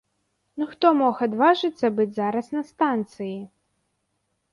Ну хто мог адважыцца быць зараз на станцыі?